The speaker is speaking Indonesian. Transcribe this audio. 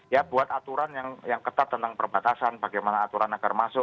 ya buat aturan yang ketat tentang perbatasan bagaimana aturan agar masuk